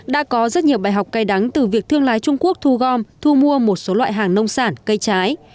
đã có rất nhiều bài học cay đắng từ việc thương lái trung quốc thu gom thu mua một số loại hàng nông sản cây trái